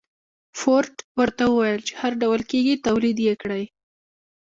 فورډ ورته وويل چې هر ډول کېږي توليد يې کړئ.